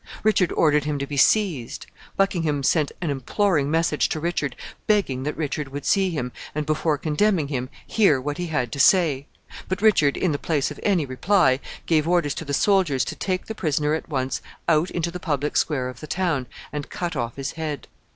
Richard ordered him to be seized. Buckingham sent an imploring message to Richard, begging that Richard would see him, and, before condemning him, hear what he had to say; but Richard, in the place of any reply, gave orders to the soldiers to take the prisoner at once out into the public square of the town, and cut off his head.